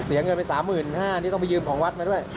เสียเงินไป๓๕๐๐บาทนี่ต้องไปยืมของวัดมาด้วย